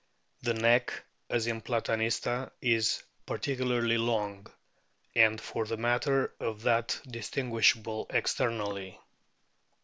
The neck, as in Platanista, is particularly long, and for the matter of that distinguishable ex ternally.